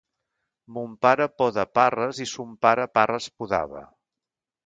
Mon pare poda parres i son pare parres podava;